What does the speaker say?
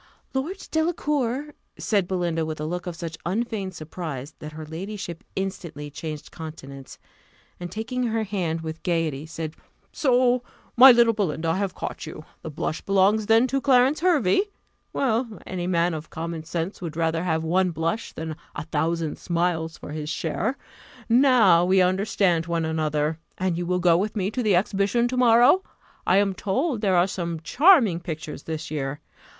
"Lord Delacour!" said Belinda, with a look of such unfeigned surprise, that her ladyship instantly changed countenance, and, taking her hand with gaiety, said, "So, my little Belinda, I have caught you the blush belongs then to Clarence Hervey? Well, any man of common sense would rather have one blush than a thousand smiles for his share: now we understand one another. And will you go with me to the exhibition to morrow? I am told there are some charming pictures this year.